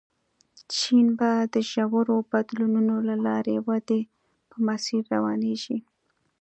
چین به د ژورو بدلونونو له لارې ودې په مسیر روانېږي.